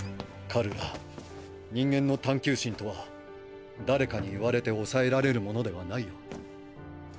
カルラ人間の探求心とは誰かに言われて抑えられるものではないよ。